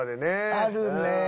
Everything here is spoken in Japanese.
あるね。